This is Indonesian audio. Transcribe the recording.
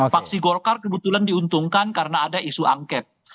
faksi golkar kebetulan diuntungkan karena ada isu angket